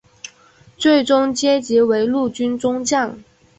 最终阶级为陆军中将。